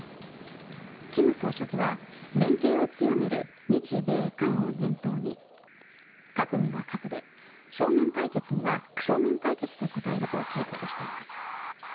金総書記は連携を強める日米韓を念頭に核には核で正面対決には正面対決で応えると警告しています。